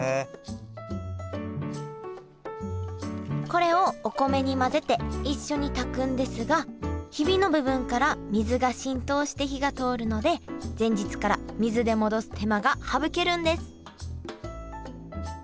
これをお米に混ぜて一緒に炊くんですがヒビの部分から水が浸透して火が通るので前日から水で戻す手間が省けるんです